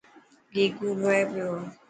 گيگو روئي پيو.